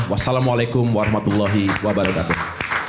wassalamualaikum warahmatullahi wabarakatuh